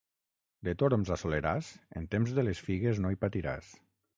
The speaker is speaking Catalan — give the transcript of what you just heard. De Torms a Soleràs, en temps de les figues no hi patiràs.